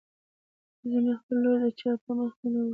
زه مې خپله لور د چا په مخکې نه ورکم.